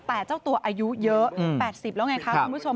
แต่เจ้าตัวอายุเยอะ๘๐แล้วไงคะคุณผู้ชม